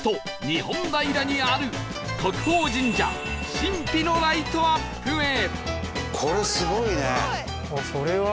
日本平にある国宝神社神秘のライトアップへ